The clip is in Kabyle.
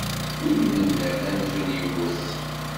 Win imennan amzun iwwet.